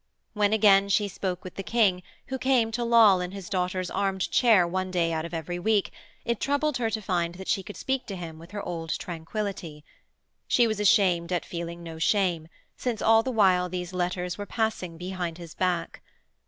When again she spoke with the King, who came to loll in his daughter's armed chair one day out of every week, it troubled her to find that she could speak to him with her old tranquillity. She was ashamed at feeling no shame, since all the while these letters were passing behind his back.